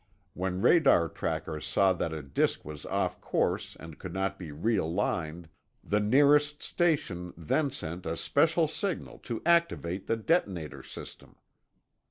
When radar trackers saw that a disk was off course and could not be realigned, the nearest station then sent a special signal to activate the detonator system.